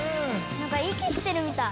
なんか息してるみたい。